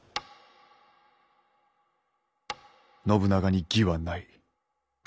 「信長に義はない。